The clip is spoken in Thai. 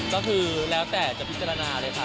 ก็คือแล้วแต่จะพิจารณาเลยค่ะ